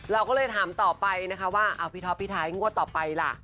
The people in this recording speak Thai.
เราก็เลยถามต่อไปนะคะว่าพี่ท็อปพี่ไทยงวดต่อไปล่ะ